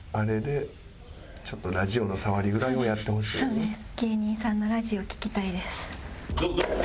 そうです。